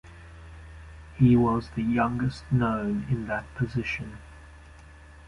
He was the youngest known in that position.